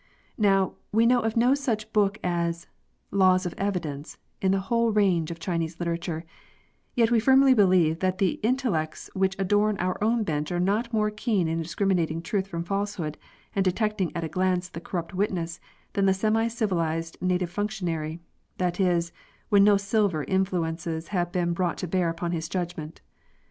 Now, we know of no such book as " Laws of Evidence " in the whole range of Chinese literature ; yet we believe firmly that the in tellects which adorn our own bench are not more keen in discriminating truth from falsehood, and detecting at a glance the corrupt witness, than the semi civilised native functionary — that is, when no silver influences have been brought to bear upon his judgment.